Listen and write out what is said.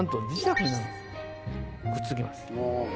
くっつきます。